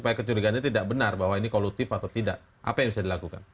supaya kecurigaannya tidak benar bahwa ini kolutif atau tidak apa yang bisa dilakukan